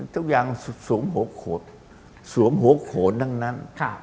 ทุกอย่างสวมหัวโขดสวมหัวโขดทั้งนั้น